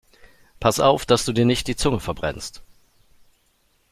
Pass auf, dass du dir nicht die Zunge verbrennst!